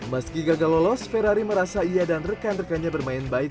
meski gagal lolos ferrari merasa ia dan rekan rekannya bermain baik